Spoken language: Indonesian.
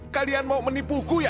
kalian mau menipuku ya